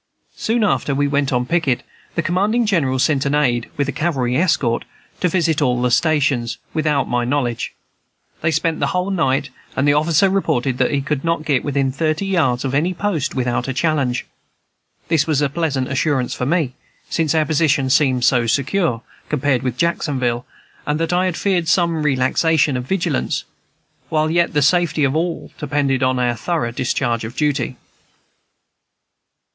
Soon after we went on picket, the commanding general sent an aid, with a cavalry escort, to visit all the stations, without my knowledge. They spent the whole night, and the officer reported that he could not get within thirty yards of any post without a challenge. This was a pleasant assurance for me; since our position seemed so secure, compared with Jacksonville, that I had feared some relaxation of vigilance, while yet the safety of all depended on our thorough discharge of duty.